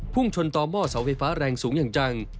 ชนต่อหม้อเสาไฟฟ้าแรงสูงอย่างจัง